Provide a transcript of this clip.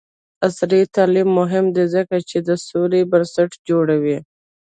عصري تعلیم مهم دی ځکه چې د سولې بنسټ جوړوي.